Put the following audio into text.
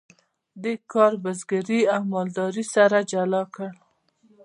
دې کار بزګري او مالداري سره جلا کړل.